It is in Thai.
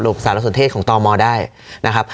หลบสารสนเทศของตอมมอล์ได้นะครับ